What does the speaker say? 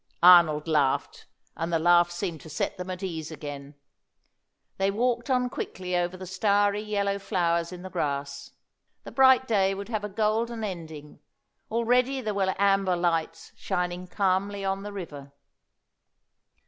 Arnold laughed, and the laugh seemed to set them at ease again. They walked on quickly over the starry yellow flowers in the grass. The bright day would have a golden ending; already there were amber lights shining calmly on the river.